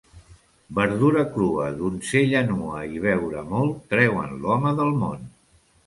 Verdura crua, donzella nua i beure molt treuen l'home del món.